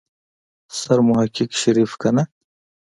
سرمحقق شريف کنه.